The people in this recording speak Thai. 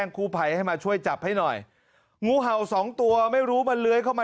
กู้ภัยให้มาช่วยจับให้หน่อยงูเห่าสองตัวไม่รู้มันเลื้อยเข้ามา